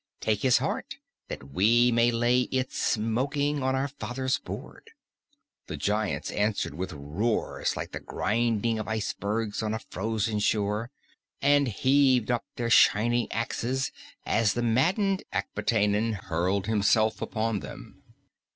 Take his heart that we may lay it smoking on our father's board!" The giants answered with roars like the grinding of ice bergs on a frozen shore, and heaved up their shining axes as the maddened Akbitanan hurled himself upon them.